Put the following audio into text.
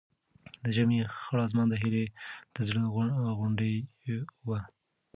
د ژمي خړ اسمان د هیلې د زړه غوندې و.